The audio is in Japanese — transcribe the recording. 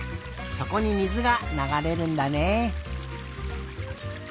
そこに水がながれるんだね。